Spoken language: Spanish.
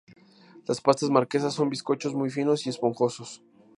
Las pastas marquesas son bizcochos muy finos y esponjosos.